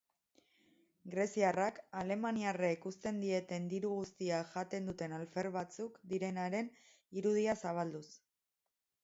Greziarrak alemaniarrek uzten dieten diru guztia jaten duten alfer batzuk direnaren irudia zabalduz.